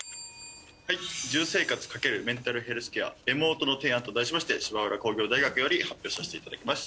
住生活×メンタルヘルスケアＥｍｏｒｔの提案と題しまして芝浦工業大学より発表させていただきます。